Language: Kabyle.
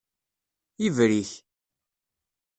Ibrik.